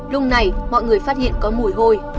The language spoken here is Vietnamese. lúc này mọi người phát hiện có mùi hôi